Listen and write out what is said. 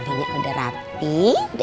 semuanya akan baik baik aja